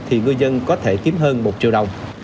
thì ngư dân có thể kiếm hơn một triệu đồng